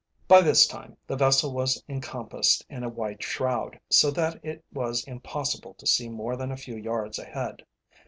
By this time the vessel was encompassed in a white shroud, so that it was impossible to see more than a few yards ahead.